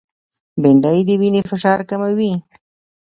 بېنډۍ د وینې فشار کموي